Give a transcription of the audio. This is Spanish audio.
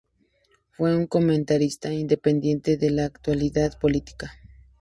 Fue un comentarista independiente de la actualidad política.